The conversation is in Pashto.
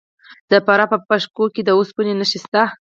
د فراه په پشت کوه کې د وسپنې نښې شته.